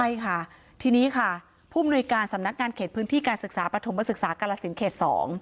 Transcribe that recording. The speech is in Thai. ใช่ค่ะทีนี้ค่ะผู้มนุยการสำนักงานเขตพื้นที่การศึกษาปฐมศึกษากาลสินเขต๒